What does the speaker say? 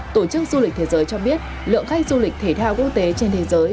tổ chức du lịch thế giới cho biết lượng khách du lịch thể thao quốc tế trên thế giới